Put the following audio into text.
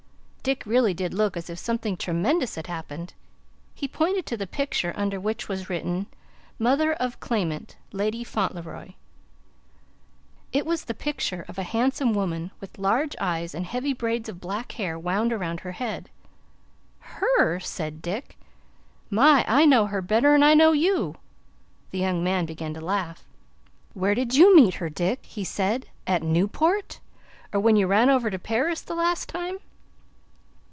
Dick really did look as if something tremendous had happened. He pointed to the picture, under which was written: "Mother of Claimant (Lady Fauntleroy)." It was the picture of a handsome woman, with large eyes and heavy braids of black hair wound around her head. "Her!" said Dick. "My, I know her better 'n I know you!" The young man began to laugh. "Where did you meet her, Dick?" he said. "At Newport? Or when you ran over to Paris the last time?"